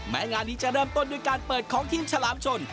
งานนี้จะเริ่มต้นด้วยการเปิดของทีมฉลามชน